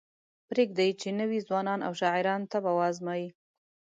پریږدئ چې نوي ځوانان او شاعران طبع وازمایي.